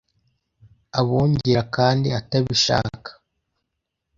abongera kandi atabishaka